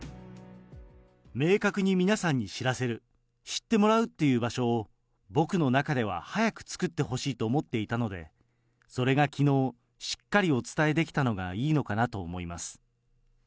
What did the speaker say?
明確に皆さんに知らせる、知ってもらうっていう場所を、僕の中では早く作ってほしいと思っていたので、それがきのう、しっかりお伝えできたのがいいのかなと思います。